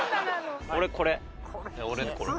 俺これ。